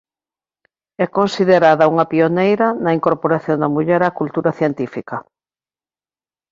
É considerada unha pioneira na incorporación da muller á cultura científica.